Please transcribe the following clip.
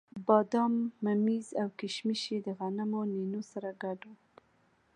بادام، ممیز او کېشمش یې د غنمو نینو سره ګډ وو.